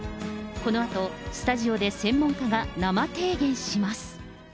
このあと、スタジオで専門家が生提言します。